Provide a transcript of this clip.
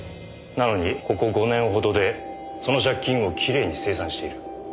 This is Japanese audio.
なのにここ５年ほどでその借金をきれいに清算している。